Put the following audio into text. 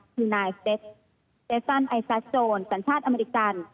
คือนายเจสต์ไอซัสโจรสัญชาติอเมริกัน